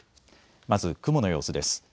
まず雲の様子です。